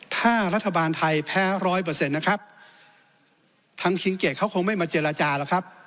ถ้ารัฐบาลไทยแพ้ร้อยเปอร์เซ็นต์นะครับทางคิงเกดเขาคงไม่มาเจรจาหรอกครับ